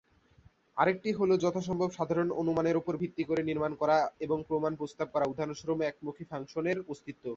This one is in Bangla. আরেকটি হল যথাসম্ভব সাধারণ অনুমানের উপর ভিত্তি করে নির্মাণ করা এবং প্রমাণ প্রস্তাব করা, উদাহরণস্বরূপঃ একমুখী ফাংশনের অস্তিত্ব।